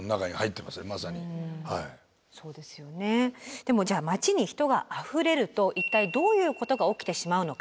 でもじゃあ街に人があふれると一体どういうことが起きてしまうのか。